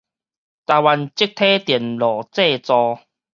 台灣積體電路製造